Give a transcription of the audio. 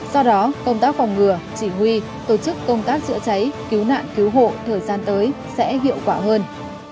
do đó công tác phòng ngừa chỉ huy tổ chức công tác chữa cháy cứu nạn cứu hộ thời gian tới sẽ hiệu quả hơn